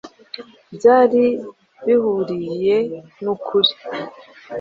byari bihuriye n’ukuri.